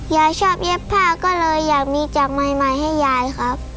ยายชอบเย็บผ้าก็เลยอยากมีจากใหม่ให้ยายครับ